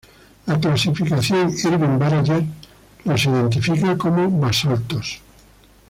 La clasificación Irvine-Barager los identifica como basaltos.